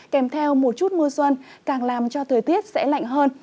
kèm theo một chút mưa xuân càng làm cho thời tiết sẽ lạnh hơn